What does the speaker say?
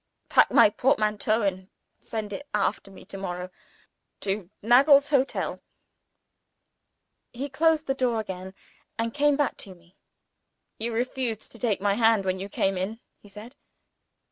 "Pack my portmanteau, and send it after me to morrow, to Nagle's Hotel, London." He closed the door again, and came back to me. "You refused to take my hand when you came in," he said.